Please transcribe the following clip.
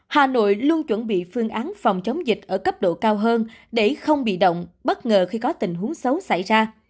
hà nội luôn chuẩn bị phương án phòng chống dịch ở cấp độ cao hơn để không bị động bất ngờ khi có tình huống xấu xảy ra